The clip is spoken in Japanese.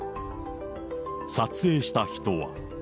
撮影した人は。